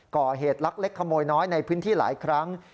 ก่อเหตุลักเล็กขโมยน้อยในพื้นที่หลายครั้ง